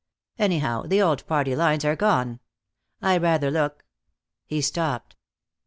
Anyhow, the old party lines are gone. I rather look " He stopped.